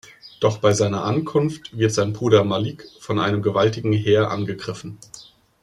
Doch bei seiner Ankunft wird sein Bruder Malik von einem gewaltigen Heer angegriffen.